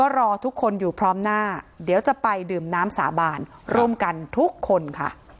รอทุกคนอยู่พร้อมหน้าเดี๋ยวจะไปดื่มน้ำสาบานร่วมกันทุกคนค่ะ